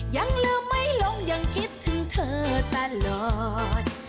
ยังลืมไม่ลงยังคิดถึงเธอตลอด